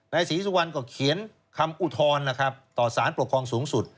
นายศรีสุวรรณก็เขียนคำอุทธรณต่อสารประคองสูงสุด